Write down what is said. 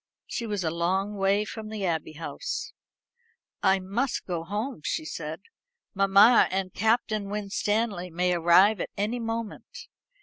She was a long way from the Abbey House. "I must go home," she said; "mamma and Captain Winstanley may arrive at any moment.